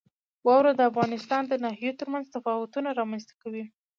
واوره د افغانستان د ناحیو ترمنځ تفاوتونه رامنځته کوي.